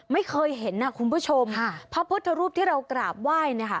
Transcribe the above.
ไม่เคยเห็นคุณผู้ชมพระพุทธรูปที่เรากราบไหว้